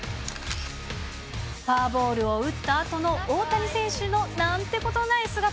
フォアボールを打ったあとの大谷選手のなんてことない姿。